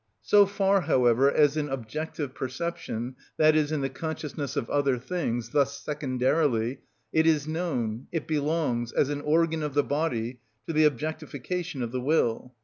So far, however, as in objective perception, i.e., in the consciousness of other things, thus secondarily, it is known, it belongs, as an organ of the body, to the objectification of the will.